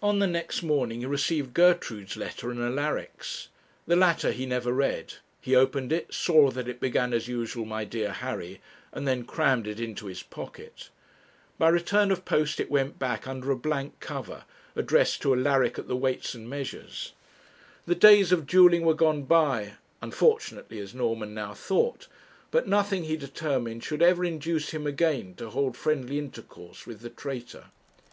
On the next morning he received Gertrude's letter and Alaric's. The latter he never read he opened it, saw that it began as usual, 'My dear Harry,' and then crammed it into his pocket. By return of post it went back under a blank cover, addressed to Alaric at the Weights and Measures. The days of duelling were gone by unfortunately, as Norman now thought, but nothing, he determined, should ever induce him again to hold friendly intercourse with the traitor.